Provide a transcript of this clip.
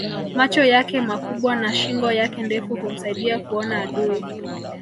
macho yake makubwa na shingo yake ndefu humsaidia kuona adui